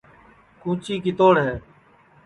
کُونٚچی کِتوڑ ہے